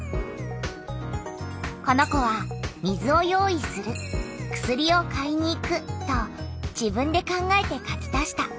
この子は「水を用意する」「薬を買いに行く」と自分で考えて書き足した。